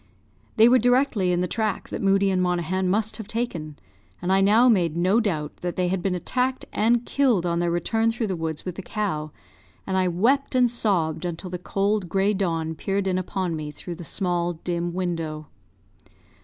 They were directly in the track that Moodie and Monaghan must have taken; and I now made no doubt that they had been attacked and killed on their return through the woods with the cow, and I wept and sobbed until the cold grey dawn peered in upon me through the small dim window.